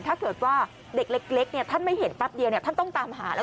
ถ้าเกิดว่าเด็กเล็กท่านไม่เห็นแป๊บเดียวท่านต้องตามหาแล้ว